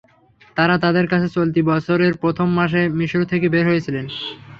তারা তাদের কাছে চলতি বছরের প্রথম মাসে মিসর থেকে বের হয়েছিলেন।